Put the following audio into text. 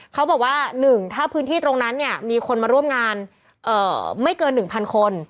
เขาบอกว่า๑ถ้าพื้นที่ตรงนั้นเนี่ยมีคนมาร่วมงานไม่เกิน๑๐๐คน